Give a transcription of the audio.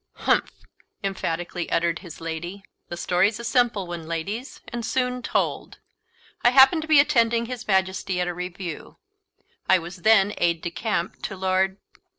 "Humph!" emphatically uttered his lady. "The story's a simple one, ladies, and soon told: I happened to be attending his Majesty at a review; I was then aid de camp to Lord